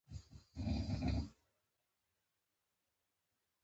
همغږي څنګه رامنځته کیږي؟